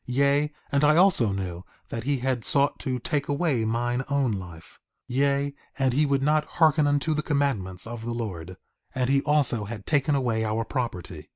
Yea, and I also knew that he had sought to take away mine own life; yea, and he would not hearken unto the commandments of the Lord; and he also had taken away our property.